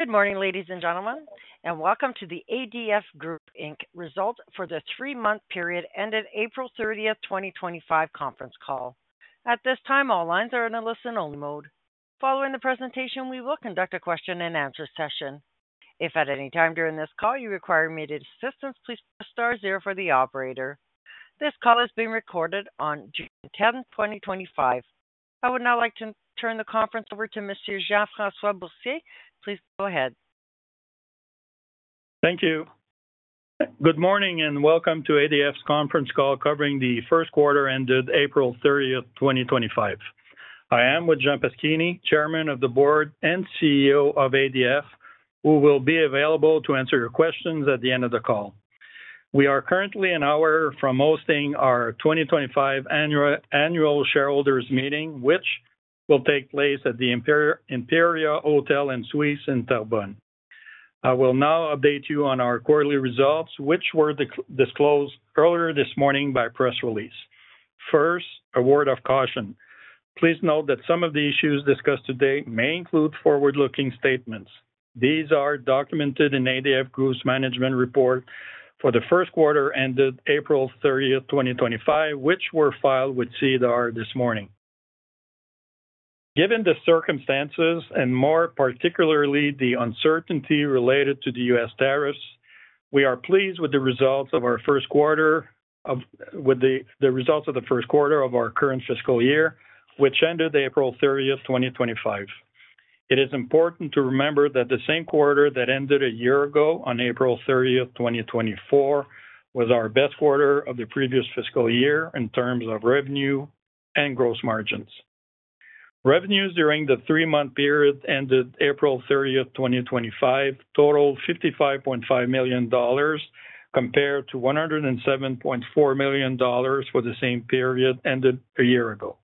Good morning, ladies and gentlemen, and welcome to the ADF Group result for the three-month period ended April 30, 2025 conference call. At this time, all lines are in a listen-only mode. Following the presentation, we will conduct a question-and-answer session. If at any time during this call you require immediate assistance, please press star zero for the operator. This call is being recorded on June 10, 2025. I would now like to turn the conference over to Mr. Jean-François Boursier. Please go ahead. Thank you. Good morning and welcome to ADF's conference call covering the first quarter ended April 30, 2025. I am with Jean Paschini, Chairman of the Board and CEO of ADF, who will be available to answer your questions at the end of the call. We are currently an hour from hosting our 2025 annual shareholders meeting, which will take place at the Imperial Hotel and Suites in Terrebonne. I will now update you on our quarterly results, which were disclosed earlier this morning by press release. First, a word of caution. Please note that some of the issues discussed today may include forward-looking statements. These are documented in ADF Group's management report for the first quarter ended April 30, 2025, which were filed with CDR this morning. Given the circumstances and more particularly the uncertainty related to the U.S. Tariffs, we are pleased with the results of our first quarter of, with the results of the first quarter of our current fiscal year, which ended April 30, 2025. It is important to remember that the same quarter that ended a year ago on April 30, 2024, was our best quarter of the previous fiscal year in terms of revenue and gross margins. Revenues during the three-month period ended April 30, 2025, totaled 55.5 million dollars compared to 107.4 million dollars for the same period ended a year ago.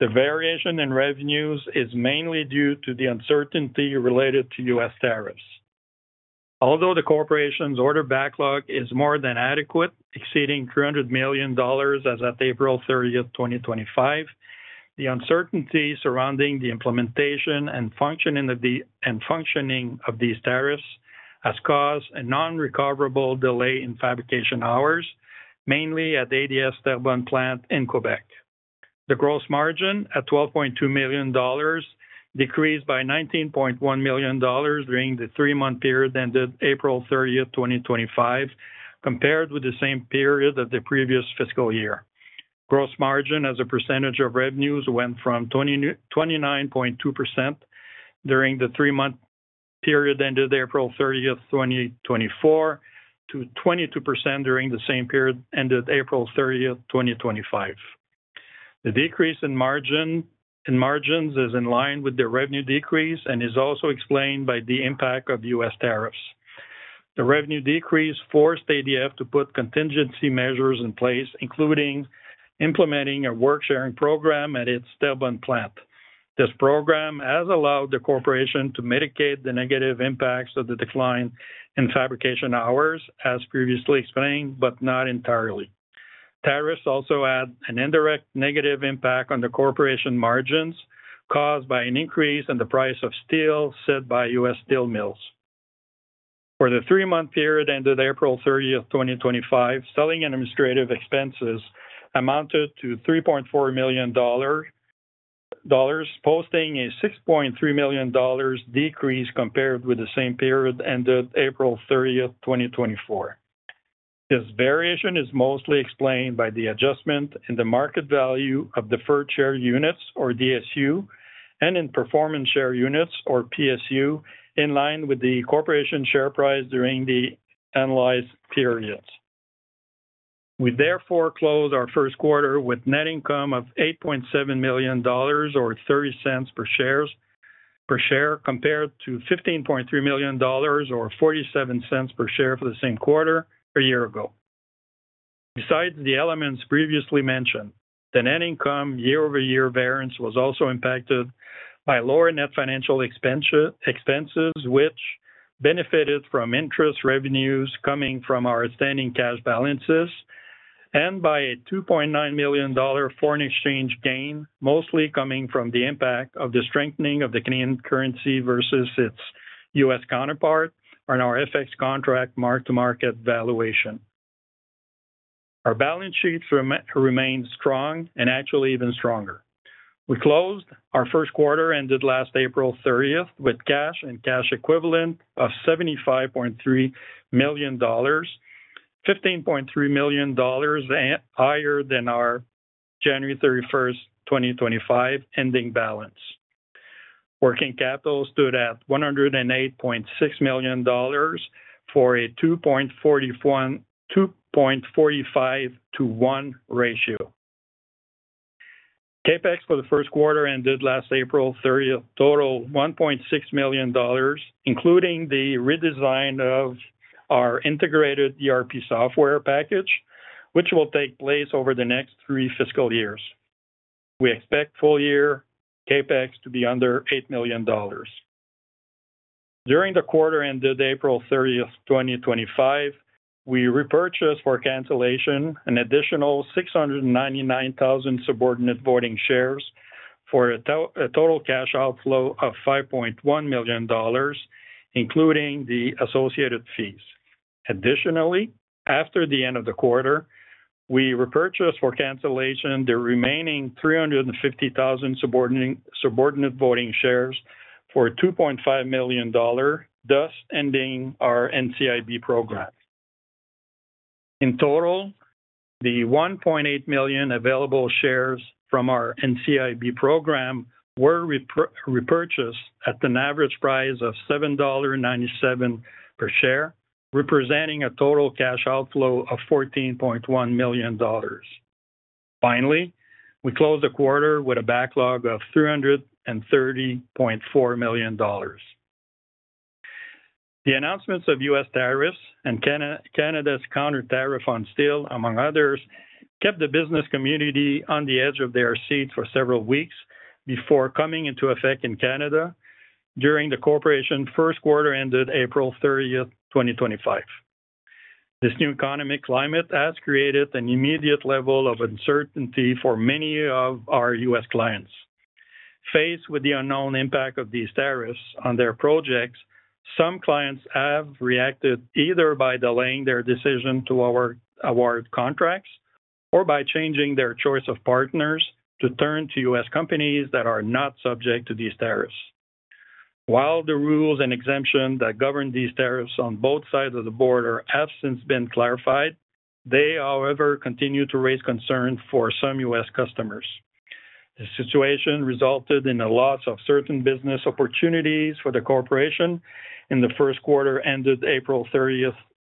The variation in revenues is mainly due to the uncertainty related to U.S. tariffs. Although the corporation's order backlog is more than adequate, exceeding 300 million dollars as of April 30, 2025, the uncertainty surrounding the implementation and functioning of these tariffs has caused a non-recoverable delay in fabrication hours, mainly at ADF's Terrebonne plant in Quebec. The gross margin at $12.2 million decreased by $19.1 million during the three-month period ended April 30, 2025, compared with the same period of the previous fiscal year. Gross margin as a percentage of revenues went from 29.2% during the three-month period ended April 30, 2024, to 22% during the same period ended April 30, 2025. The decrease in margins is in line with the revenue decrease and is also explained by the impact of U.S. tariffs. The revenue decrease forced ADF to put contingency measures in place, including implementing a work-sharing program at its Terrebonne plant. This program has allowed the corporation to mitigate the negative impacts of the decline in fabrication hours, as previously explained, but not entirely. Tariffs also had an indirect negative impact on the corporation margins caused by an increase in the price of steel set by U.S. steel mills. For the three-month period ended April 30, 2025, selling and administrative expenses amounted to 3.4 million dollars, posting a 6.3 million dollars decrease compared with the same period ended April 30, 2024. This variation is mostly explained by the adjustment in the market value of deferred share units, or DSU, and in performance share units, or PSU, in line with the corporation share price during the analyzed periods. We therefore close our first quarter with net income of $8.7 million, or $0.30 per share, compared to $15.3 million, or $0.47 per share for the same quarter a year ago. Besides the elements previously mentioned, the net income year-over-year variance was also impacted by lower net financial expenses, which benefited from interest revenues coming from our standing cash balances, and by a 2.9 million dollar foreign exchange gain, mostly coming from the impact of the strengthening of the Canadian currency versus its U.S. Counterpart on our FX contract mark-to-market valuation. Our balance sheets remained strong and actually even stronger. We closed our first quarter ended last April 30 with cash and cash equivalent of 75.3 million dollars, 15.3 million dollars higher than our January 31, 2025, ending balance. Working capital stood at 108.6 million dollars for a 2.45 - 1 ratio. Capex for the first quarter ended last April 30 totaled 1.6 million dollars, including the redesign of our integrated ERP software package, which will take place over the next three fiscal years. We expect full-year CapEx to be under 8 million dollars. During the quarter ended April 30, 2025, we repurchased for cancellation an additional 699,000 subordinate voting shares for a total cash outflow of 5.1 million dollars, including the associated fees. Additionally, after the end of the quarter, we repurchased for cancellation the remaining 350,000 subordinate voting shares for 2.5 million dollar, thus ending our NCIB program. In total, the $1.8 million available shares from our NCIB program were repurchased at an average price of $7.97 per share, representing a total cash outflow of 14.1 million dollars. Finally, we closed the quarter with a backlog of 330.4 million dollars. The announcements of U.S. tariffs and Canada's counter tariff on steel, among others, kept the business community on the edge of their seat for several weeks before coming into effect in Canada during the corporation's first quarter ended April 30, 2025. This new economic climate has created an immediate level of uncertainty for many of our U.S. clients. Faced with the unknown impact of these tariffs on their projects, some clients have reacted either by delaying their decision to award contracts or by changing their choice of partners to turn to U.S. companies that are not subject to these tariffs. While the rules and exemptions that govern these tariffs on both sides of the border have since been clarified, they, however, continue to raise concern for some U.S. customers. The situation resulted in a loss of certain business opportunities for the corporation in the first quarter ended April 30,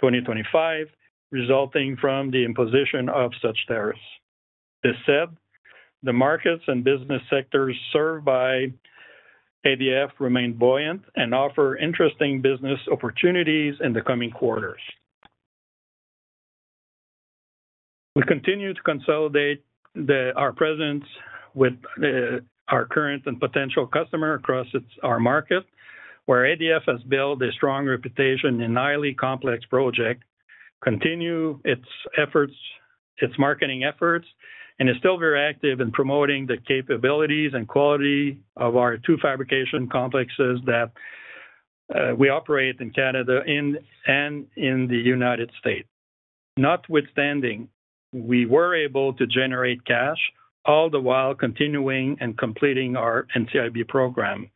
2025, resulting from the imposition of such tariffs. This said, the markets and business sectors served by ADF remain buoyant and offer interesting business opportunities in the coming quarters. We continue to consolidate our presence with our current and potential customers across our market, where ADF has built a strong reputation in a highly complex project, continues its efforts, its marketing efforts, and is still very active in promoting the capabilities and quality of our two fabrication complexes that we operate in Canada and in the United States. Notwithstanding, we were able to generate cash all the while continuing and completing our NCIB program.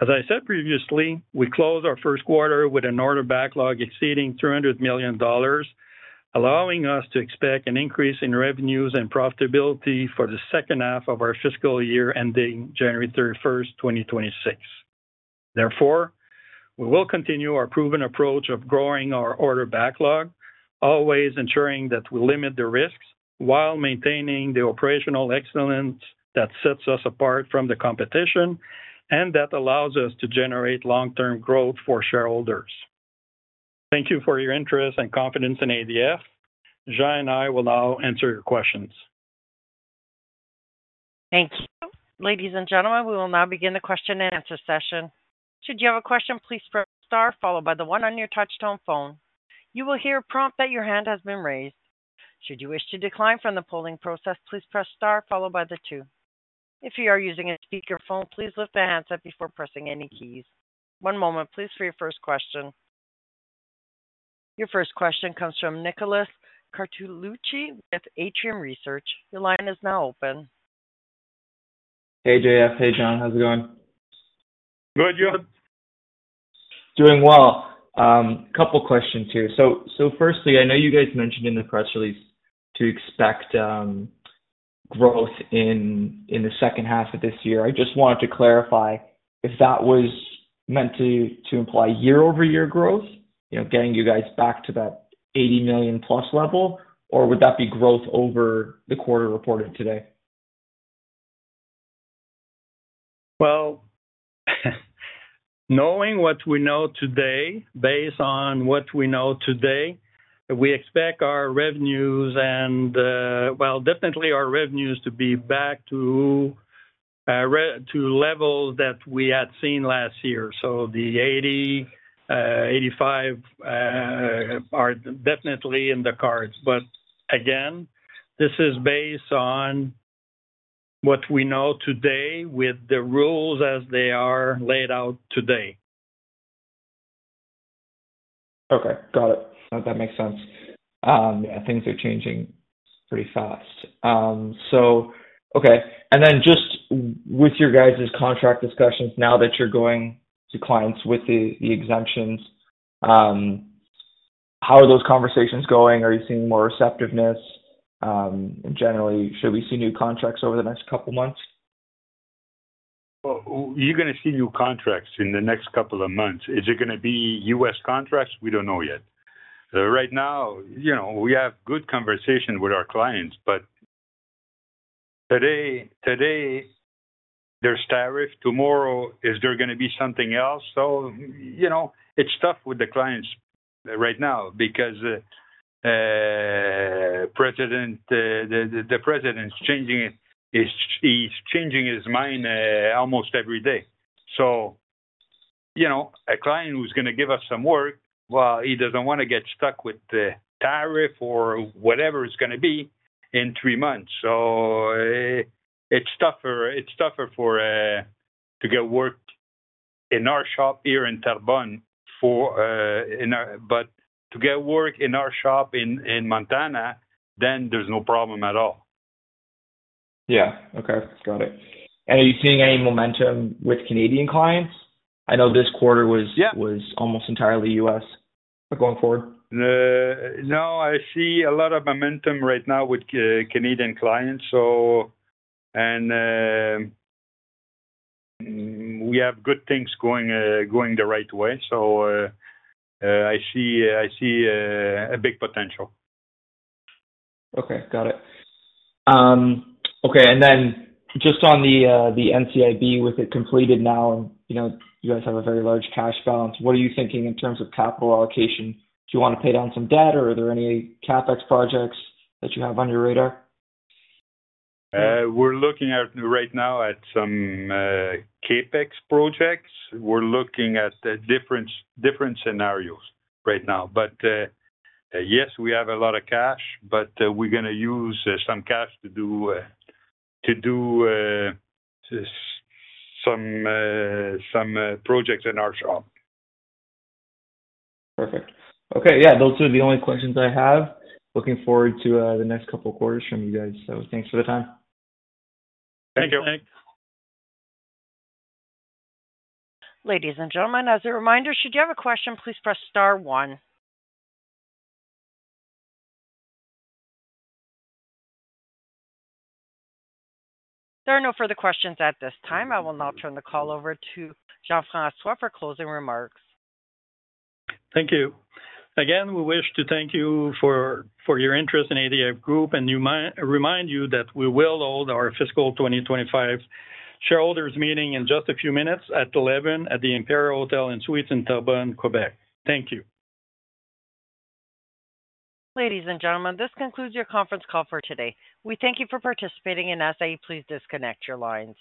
As I said previously, we closed our first quarter with an order backlog exceeding $300 million, allowing us to expect an increase in revenues and profitability for the second half of our fiscal year ending January 31, 2026. Therefore, we will continue our proven approach of growing our order backlog, always ensuring that we limit the risks while maintaining the operational excellence that sets us apart from the competition and that allows us to generate long-term growth for shareholders. Thank you for your interest and confidence in ADF. Jean and I will now answer your questions. Thank you. Ladies and gentlemen, we will now begin the question-and-answer session. Should you have a question, please press star, followed by the one on your touch-tone phone. You will hear a prompt that your hand has been raised. Should you wish to decline from the polling process, please press star, followed by the two. If you are using a speakerphone, please lift the handset up before pressing any keys. One moment, please, for your first question. Your first question comes from Nicholas Cortellucci with Atrium Research. Your line is now open. Hey, JF. Hey, Jean. How's it going? Good, go ahead. Doing well. A couple of questions here. Firstly, I know you guys mentioned in the press release to expect growth in the second half of this year. I just wanted to clarify if that was meant to imply year-over-year growth, getting you guys back to that $80 million-plus level, or would that be growth over the quarter reported today? Knowing what we know today, based on what we know today, we expect our revenues and, well, definitely our revenues to be back to levels that we had seen last year. The 80-85 are definitely in the cards. Again, this is based on what we know today with the rules as they are laid out today. Okay. Got it. That makes sense. Things are changing pretty fast. Okay. And then just with your guys' contract discussions, now that you're going to clients with the exemptions, how are those conversations going? Are you seeing more receptiveness? Generally, should we see new contracts over the next couple of months? You are going to see new contracts in the next couple of months. Is it going to be U.S. contracts? We do not know yet. Right now, we have good conversations with our clients, but today, there is tariff. Tomorrow, is there going to be something else? It is tough with the clients right now because the president is changing his mind almost every day. A client who is going to give us some work does not want to get stuck with the tariff or whatever it is going to be in three months. It is tougher to get work in our shop here in Terrebonne, but to get work in our shop in Montana, there is no problem at all. Yeah. Okay. Got it. Are you seeing any momentum with Canadian clients? I know this quarter was almost entirely U.S. but going forward. No, I see a lot of momentum right now with Canadian clients. We have good things going the right way. I see a big potential. Okay. Got it. Okay. And then just on the NCIB, with it completed now, and you guys have a very large cash balance, what are you thinking in terms of capital allocation? Do you want to pay down some debt, or are there any Capex projects that you have on your radar? We're looking right now at some Capex projects. We're looking at different scenarios right now. Yes, we have a lot of cash, but we're going to use some cash to do some projects in our shop. Perfect. Okay. Yeah. Those are the only questions I have. Looking forward to the next couple of quarters from you guys. Thanks for the time. Thank you. Thanks. Ladies and gentlemen, as a reminder, should you have a question, please press star one. There are no further questions at this time. I will now turn the call over to Jean-François Boursier for closing remarks. Thank you. Again, we wish to thank you for your interest in ADF Group and remind you that we will hold our fiscal 2025 shareholders' meeting in just a few minutes at 11:00. at the Imperial Hotel and Suites in Terrebonne, Quebec. Thank you. Ladies and gentlemen, this concludes your conference call for today. We thank you for participating, and ask that you please disconnect your lines.